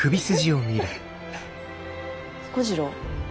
彦次郎？